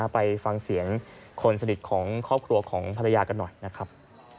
ไปฟังเสียงคนสนิทของครอบครัวของภรรยากันหน่อยนะครับ